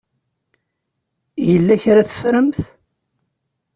Yella kra ay teffremt?